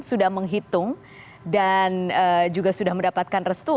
sudah menghitung dan juga sudah mendapatkan restu